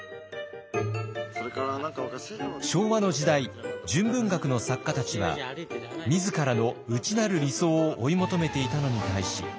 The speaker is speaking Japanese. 昭和の時代純文学の作家たちは自らの内なる理想を追い求めていたのに対し。